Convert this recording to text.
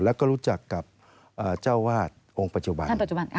แล้วก็รู้จักกับเจ้าวาดองค์ปัจจุบัน